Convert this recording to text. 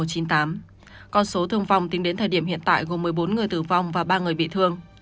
con số thương vong tính đến thời điểm hiện tại gồm một mươi bốn người tử vong và ba người bị thương